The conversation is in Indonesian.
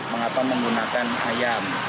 mengapa menggunakan ayam